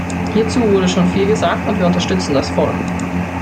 Hierzu wurde schon viel gesagt, und wir unterstützen das voll.